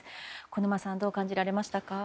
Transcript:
小沼さんどう感じられましたか？